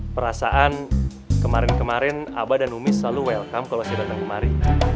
perasaan kemarin kemarin abah dan numis selalu welcome kalau saya datang kemari